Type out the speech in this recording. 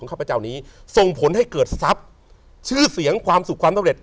ข้าพเจ้านี้ส่งผลให้เกิดทรัพย์ชื่อเสียงความสุขความสำเร็จ